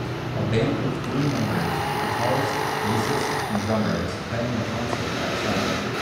A band with three members guitarist bassist and drummer is playing a concert outside